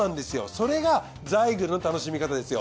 それがザイグルの楽しみ方ですよ。